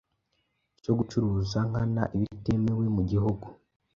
cyo gucuruza nkana ibitemewe mu gihugu